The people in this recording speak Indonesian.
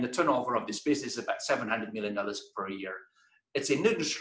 dan kembangannya dari bisnis ini adalah sekitar tujuh ratus juta dolar setiap tahun